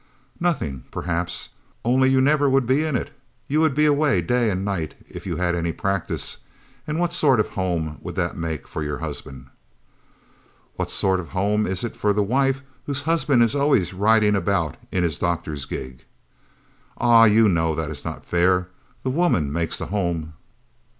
"Nothing, perhaps, only you never would be in it you would be away day and night, if you had any practice; and what sort of a home would that make for your husband?" "What sort of a home is it for the wife whose husband is always away riding about in his doctor's gig?" "Ah, you know that is not fair. The woman makes the home."